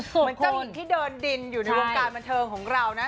เหมือนจริตที่เดินดินอยู่ในวงการบันเทิงของเรานะ